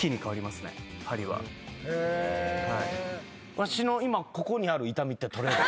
わしの今ここにある痛みって取れる？